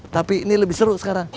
tapi ini lebih seru sekarang